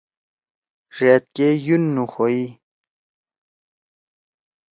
ڙأت کے یُن نُخوئی۔